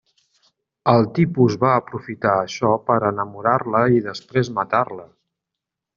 El tipus va aprofitar això per enamorar-la i després matar-la.